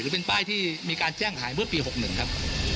หรือเป็นป้ายที่มีการแจ้งหายเมื่อปีหกหนึ่งครับ